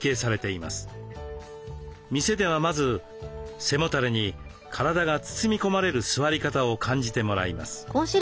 店ではまず背もたれに体が包み込まれる座り方を感じてもらいます。